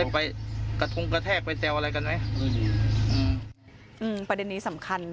ประเด็นนี้สำคัญ